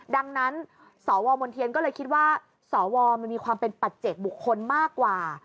ดังนั้นสวมนเทียนก็เลยคิดว่าสวมันมีความเป็นปัจเจกบุคคลมากกว่า